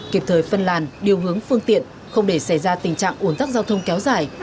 kịp thời phân làn điều hướng phương tiện không để xảy ra tình trạng ủn tắc giao thông kéo dài